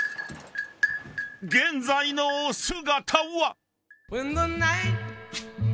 ・［現在のお姿は⁉］